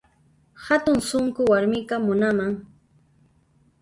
Hatun sunqu warmiqa munanan